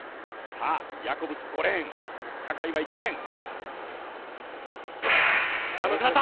ヤコブス５レーン、坂井は１レーン。